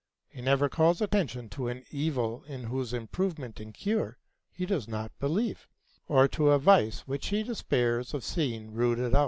He never calls attention to an evil in whose improvement and cure he does not believe, or to a vice which he despairs of seeing out rooted.